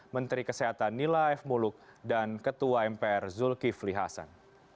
menteri kesehatan nila f muluk dan ketua mpr zulkifli hasan